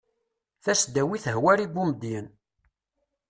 tasdawit hwari bumedyen